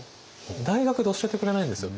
大学で教えてくれないんですよ。